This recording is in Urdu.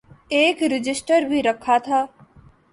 ایک رجسٹر بھی رکھا تھا۔